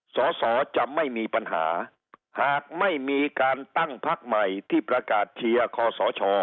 สอสอจะไม่มีปัญหาหากไม่มีการตั้งพักใหม่ที่ประกาศเชียร์คอสช